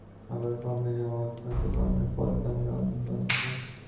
আবার কর্মও যেমন অনন্ত, কর্মের ফলও তেমনি অনন্ত।